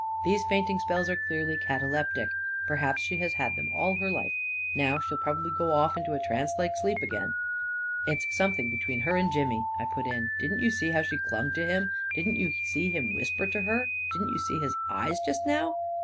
These fainting spells are clearly cataleptic. Perhaps she has had them all her life. Now she'll probably go off into a trance like sleep again." 44 It's something between her and Jimmy," I put in. " Didn't you see how she clung to him ? Didn't you see him whisper to her ? Didn't you see his eyes just now?"